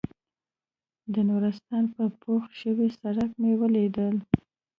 د نورستان په پوخ شوي سړک مې ولیدل.